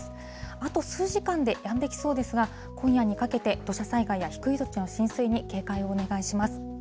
あと数時間でやんできそうですが、今夜にかけて、土砂災害や低い土地の浸水に警戒をお願いします。